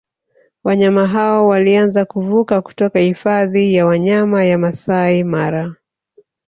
Wanyama hao walianza kuvuka kutoka Hifadhi ya Wanyama ya Maasai Mara